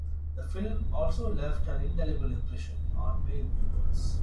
The film has also left an indelible impression on male viewers.